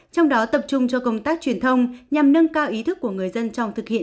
trong đó tập trung cho công tác truyền thông nhằm nâng cao ý thức của người dân trong thực hiện